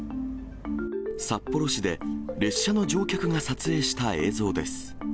札幌市で、列車の乗客が撮影した映像です。